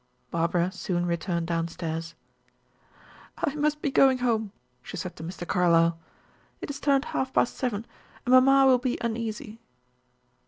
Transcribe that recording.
Barbara soon returned down stairs. "I must be going home," she said to Mr. Carlyle. "It is turned half past seven, and mamma will be uneasy."